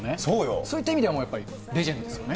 そういった意味でもレジェンドですよね。